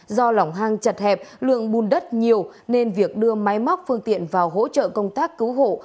do lỏng hang chật hẹp lượng bùn đất nhiều nên việc đưa máy móc phương tiện vào hỗ trợ công tác cứu hộ